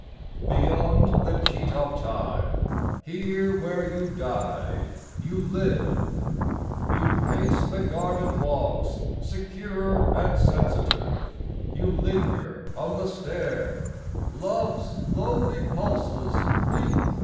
BEYOND the cheat of Time, here where you died, you live; You pace the garden walks secure and sensitive; You linger on the stair: Love's lonely pulses leap!